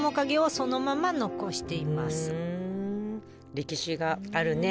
歴史があるね。